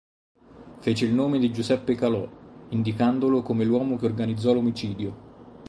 Fece il nome di Giuseppe Calò, indicandolo come l'uomo che organizzò l'omicidio.